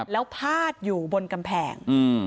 แล้วพาดอยู่บนกำแพง